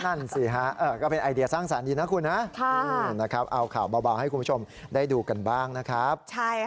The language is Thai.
นั่นสิฮะก็เป็นไอเดียสร้างสารดีนะคุณนะเอาข่าวเบาให้คุณผู้ชมได้ดูกันบ้างนะครับ